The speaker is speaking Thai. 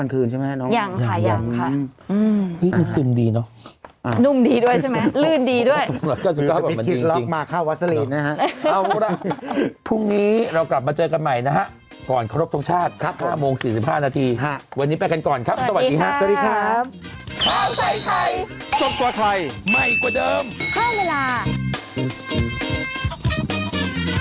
แล้วก็ติดปึ้งแล้วก็วางปึ้ง